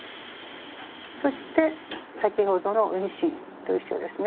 そして先ほどの運針と一緒ですね。